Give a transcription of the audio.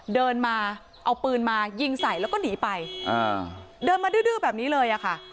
เดินมาเอาปืนมายิงใส่แล้วก็หนีไปอ่าเดินมาดื้อแบบนี้เลยอะค่ะ